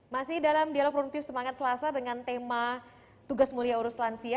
masih dalam dialog produktif semangat selasa dengan tema tugas mulia urus lansia